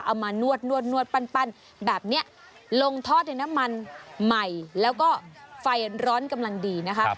มานวดนวดปั้นแบบนี้ลงทอดในน้ำมันใหม่แล้วก็ไฟร้อนกำลังดีนะคะ